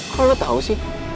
kok lu tau sih